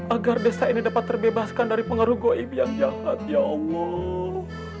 agar desa ini dapat terbebaskan dari pengaruh goib yang jahat ya allah